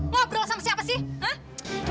ngobrol sama siapa sih